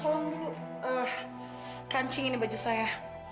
halo bu kancing ini baju saya